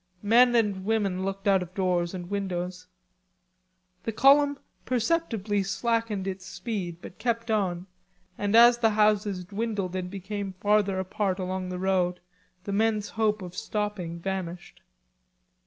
Men and women looked out of doors and windows. The column perceptibly slackened its speed, but kept on, and as the houses dwindled and became farther apart along the road the men's hope of stopping vanished.